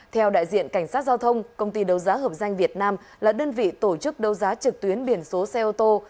theo đại diện cảnh sát giao thông công ty đấu giá hợp danh việt nam là đơn vị tổ chức đấu giá trực tuyến biển số xe ô tô